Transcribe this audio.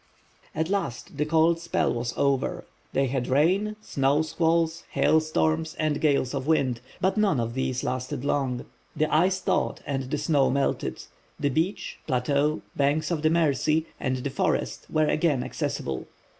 At last the cold spell was over. They had rain, snow squalls, hail storms, and gales of wind, but none of these lasted long. The ice thawed and the snow melted; the beach, plateau, banks of the Mercy, and the forest were again accessible.